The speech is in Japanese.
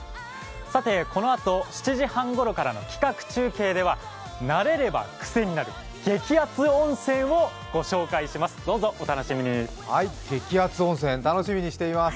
さてこのあと、７時半ごろからの企画中継では慣れれば癖になる激アツ温泉をご紹介します。